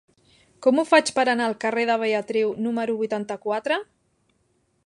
Com ho faig per anar al carrer de Beatriu número vuitanta-quatre?